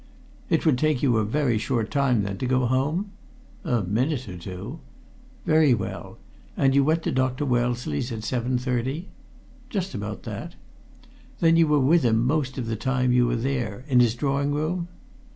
"It would take you a very short time, then, to go home?" "A minute or two." "Very well. And you went to Dr. Wellesley's at 7.30?" "Just about that." "Then you were with him most of the time you were there in his drawing room?"